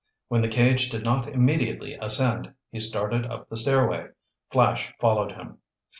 When the cage did not immediately ascend, he started up the stairway. Flash followed him.